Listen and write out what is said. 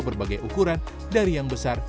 berbagai ukuran dari yang besar